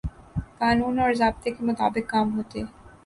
قانون اور ضابطے کے مطابق کام ہوتے۔